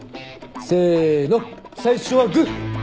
せーの最初はグー！